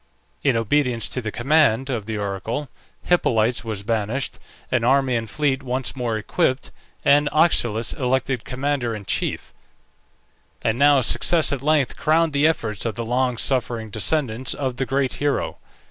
In obedience to the command of the oracle, Hippolytes was banished, an army and fleet once more equipped, and Oxylus elected commander in chief. And now success at length crowned the efforts of the long suffering descendants of the great hero.